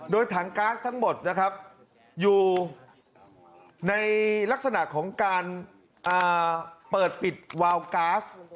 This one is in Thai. โดยถังก๊าซทั้งหมดนะครับอยู่ในลักษณะของการเปิดปิดวาวก๊าซ